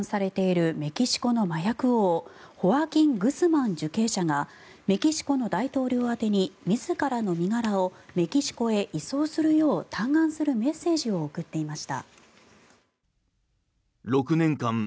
アメリカの刑務所で収監されているメキシコの麻薬王ホアキン・グスマン受刑者がメキシコの大統領宛てに自らの身柄をメキシコへ移送するよう嘆願するメッセージを送っていました。